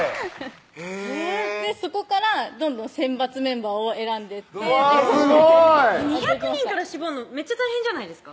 へぇそこからどんどん選抜メンバーを選んでって２００人から絞るのめっちゃ大変じゃないですか？